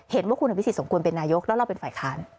เห็นว่าคุณอภิษฎสมควรเป็นนายกแล้วเราเป็นฝ่ายค้าน